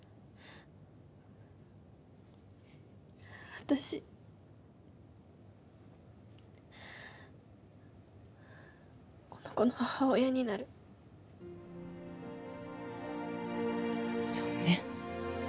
私この子の母親になるそうね